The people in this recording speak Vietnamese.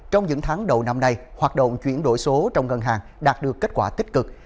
trong những tháng đầu năm nay hoạt động chuyển đổi số trong ngân hàng đạt được kết quả tích cực